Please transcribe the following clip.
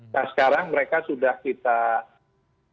nah sekarang mereka sudah kita lakukan